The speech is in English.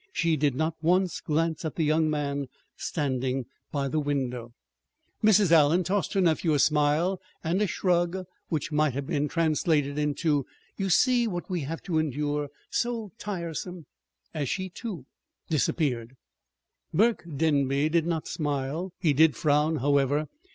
She did not once glance at the young man standing by the window. Mrs. Allen tossed her nephew a smile and a shrug which might have been translated into "You see what we have to endure so tiresome!" as she, too, disappeared. Burke Denby did not smile. He did frown, however.